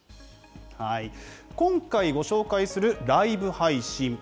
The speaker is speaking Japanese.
今回、ご紹介するライブ配信。